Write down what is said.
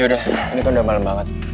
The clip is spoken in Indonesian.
ya udah ini kan udah malem banget